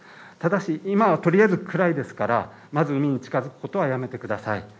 ただし今はとりあえず暗いですからまず海に近づくことはやめてください。